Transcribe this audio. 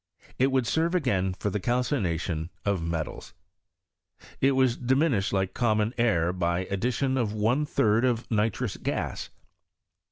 5. It would serve again for the calcination at 6. It was diminished like common air by addiUoa G third of nitrous gas.